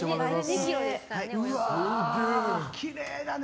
きれいだね。